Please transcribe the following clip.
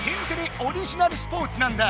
オリジナルスポーツなんだ！